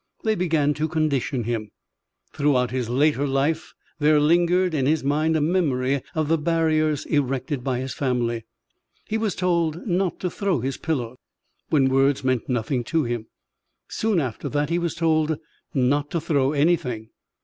They began to condition him. Throughout his later life there lingered in his mind a memory of the barriers erected by his family. He was told not to throw his pillow, when words meant nothing to him. Soon after that, he was told not to throw anything.